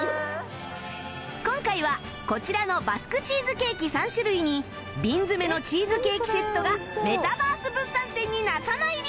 今回はこちらのバスクチーズケーキ３種類に瓶詰めのチーズケーキセットがメタバース物産展に仲間入り